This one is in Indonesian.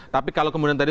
tapi kalau kemudian tadi